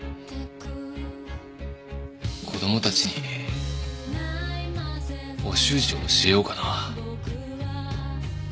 子供たちにお習字を教えようかな。